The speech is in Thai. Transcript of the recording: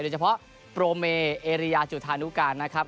โดยเฉพาะโปรเมเอเรียจุธานุการนะครับ